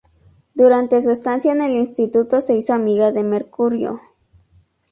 Durante su estancia en el instituto, se hizo amiga de Mercurio.